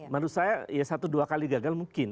menurut saya ya satu dua kali gagal mungkin